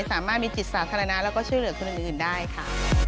สามารถมีจิตสาธารณะแล้วก็ช่วยเหลือคนอื่นได้ค่ะ